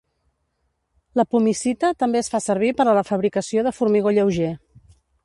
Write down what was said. La pumicita també es fa servir per a la fabricació de formigó lleuger.